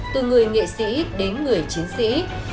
từ người nghệ sĩ đến người chiến sĩ